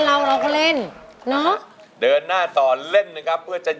แน่นอนชัวร์อยู่แล้วนะ